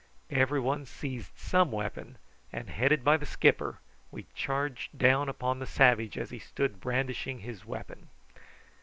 Every one seized some weapon, and, headed by the skipper, we charged down upon the savage as he stood brandishing his weapon.